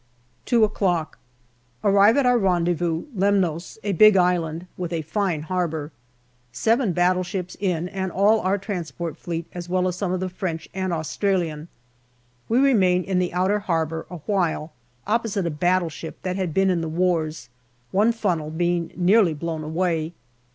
2 o'clock. Arrive at our rendez vous, Lemnos, a big island, with a fine harbour. Seven battleships in, and all our transport fleet as well as some of the French and Australian. We remain in the outer harbour awhile opposite a battleship that had been in the wars, one funnel being nearly blown away.